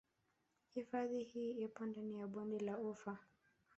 Hifadhi hii ipo ndani ya Bonde la Ufa